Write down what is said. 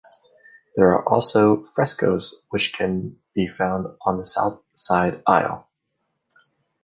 There are also the frescoes which can be found on the south side aisle.